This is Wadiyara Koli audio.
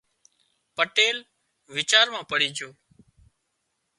پٽيل ويچار مان پڙي جھو